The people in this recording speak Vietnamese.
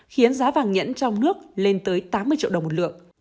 khiến giá vàng nhẫn trong nước lên tới tám mươi triệu đồng một lượng